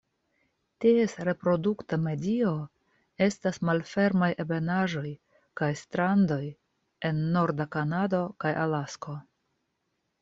Ties reprodukta medio estas malfermaj ebenaĵoj kaj strandoj en norda Kanado kaj Alasko.